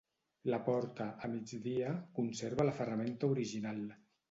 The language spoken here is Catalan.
La porta, a migdia, conserva la ferramenta original.